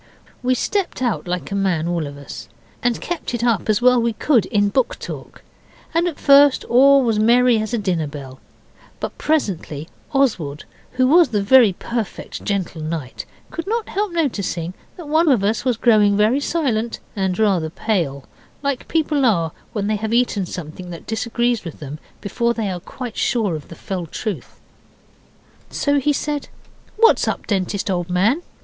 We stepped out like a man all of us, and kept it up as well as we could in book talk, and at first all was merry as a dinner bell; but presently Oswald, who was the 'very perfect gentle knight', could not help noticing that one of us was growing very silent and rather pale, like people are when they have eaten something that disagrees with them before they are quite sure of the fell truth. So he said, 'What's up, Dentist, old man?